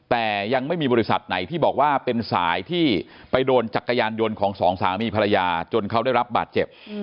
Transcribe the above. แต่ยังไม่มีบริษัทไหนที่บอกว่าเป็นสายที่ไปโดนจักรยานยนต์ของสองสามีภรรยาจนเขาได้รับบาดเจ็บ